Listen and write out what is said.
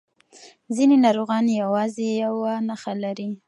ځینې ناروغان یوازې یو نښه لري.